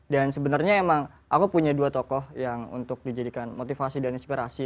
dan sebenarnya emang aku punya dua tokoh yang untuk dijadikan motivasi dan inspirasi